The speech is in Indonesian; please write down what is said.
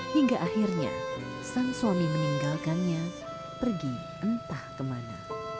hingga akhirnya sang suami meninggalkannya pergi entah kemana